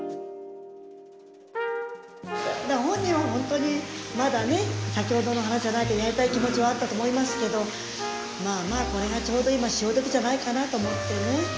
だから本人はほんとにまだね先ほどの話じゃないけどやりたい気持ちはあったと思いますけどまあまあこれがちょうど今潮時じゃないかなと思ってね。